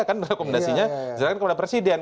kan rekomendasinya diserahkan kepada presiden